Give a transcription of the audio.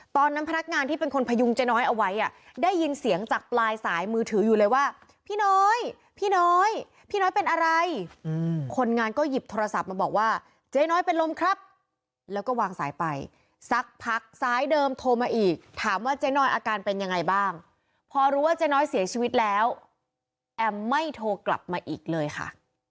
ตอนนั้นพนักงานที่เป็นคนพยุงเจ๊น้อยเอาไว้อ่ะได้ยินเสียงจากปลายสายมือถืออยู่เลยว่าพี่น้อยพี่น้อยพี่น้อยเป็นอะไรคนงานก็หยิบโทรศัพท์มาบอกว่าเจ๊น้อยเป็นลมครับแล้วก็วางสายไปสักพักซ้ายเดิมโทรมาอีกถามว่าเจ๊น้อยอาการเป็นยังไงบ้างพอรู้ว่าเจ๊น้อยเสียชีวิตแล้วแอมไม่โทรกลับมาอีกเลยค่ะ